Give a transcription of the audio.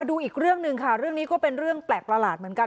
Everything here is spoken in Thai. ดูอีกเรื่องหนึ่งค่ะเรื่องนี้ก็เป็นเรื่องแปลกประหลาดเหมือนกัน